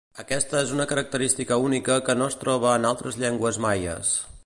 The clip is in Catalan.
Aquesta és una característica única que no es troba en altres llengües maies.